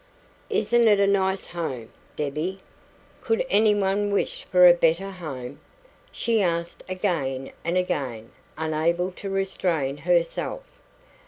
"Isn't it a nice home, Debbie? Could any woman wish for a better home?" she asked again and again, unable to restrain herself.